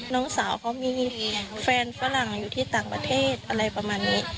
น้องสาวเขามีแฟนฝรั่งอยู่ที่ต่างประเทศอะไรประมาณนี้